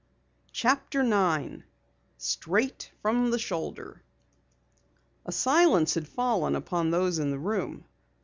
CHAPTER 9 STRAIGHT FROM THE SHOULDER A silence had fallen upon those in the room.